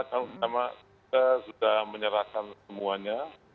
karena kita sudah menyerahkan semuanya